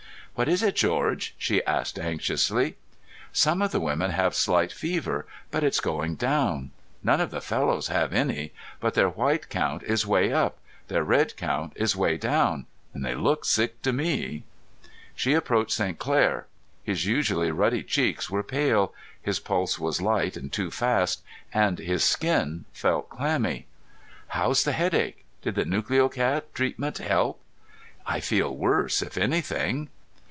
"What is it, George?" she asked anxiously. "Some of the women have slight fever, but it's going down. None of the fellows have any but their white count is way up, their red count is way down, and they look sick to me." She approached St. Clair. His usually ruddy cheeks were pale, his pulse was light and too fast, and his skin felt clammy. "How's the headache? Did the Nucleocat treatment help?" "I feel worse, if anything."